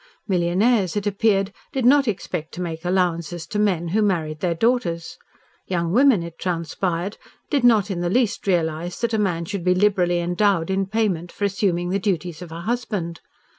Millionaires, it appeared, did not expect to make allowances to men who married their daughters; young women, it transpired, did not in the least realise that a man should be liberally endowed in payment for assuming the duties of a husband.